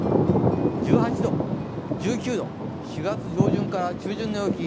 １８度、１９度、４月上旬から中旬の動き